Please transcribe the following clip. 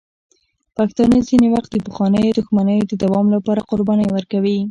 پښتانه ځینې وخت د پخوانیو دښمنیو د دوام لپاره قربانۍ ورکوي.